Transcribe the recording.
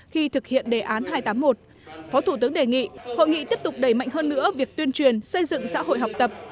khi thực hiện đề án hai trăm tám mươi một phó thủ tướng đề nghị hội nghị tiếp tục đẩy mạnh hơn nữa việc tuyên truyền xây dựng xã hội học tập